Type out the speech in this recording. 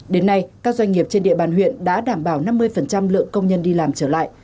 đến nay các doanh nghiệp trên địa bàn huyện đã đảm bảo năm mươi lượng công nhân đi làm trở lại